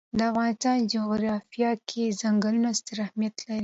د افغانستان جغرافیه کې ځنګلونه ستر اهمیت لري.